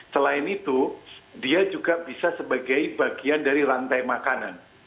selain itu dia juga bisa sebagai bagian dari rantai makanan